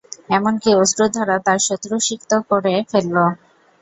এমনকি অশ্রু-ধারা তার শত্রু সিক্ত করে ফেলল।